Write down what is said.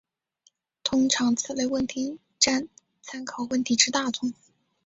通常此类问题占参考问题之大宗。